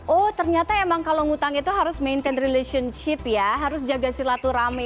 oh ternyata emang kalau ngutang itu harus maintain relationship ya harus jaga silaturahmi